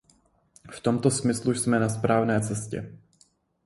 V tomto smyslu jsme na správné cestě.